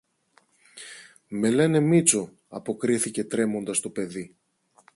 Με λένε Μήτσο, αποκρίθηκε τρέμοντας το παιδί